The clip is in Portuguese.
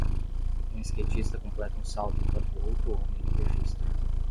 Um skatista completa um salto enquanto outro homem o registra.